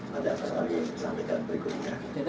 saya akan sekali sampaikan berikutnya